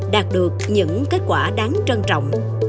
đạt được những kết quả đáng trân trọng